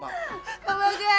menunggu seangat bekas duit